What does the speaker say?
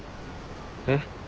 えっ？